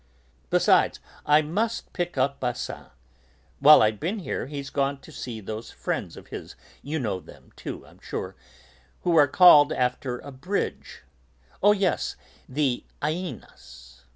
"Besides, I must pick up Basin. While I've been here, he's gone to see those friends of his you know them too, I'm sure, who are called after a bridge oh, yes, the Iénas."